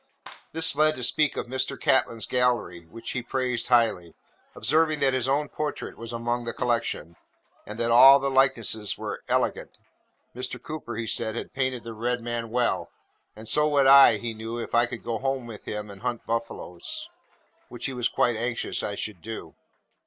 This led us to speak of Mr. Catlin's gallery, which he praised highly: observing that his own portrait was among the collection, and that all the likenesses were 'elegant.' Mr. Cooper, he said, had painted the Red Man well; and so would I, he knew, if I would go home with him and hunt buffaloes, which he was quite anxious I should do.